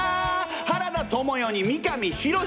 原田知世に三上博史！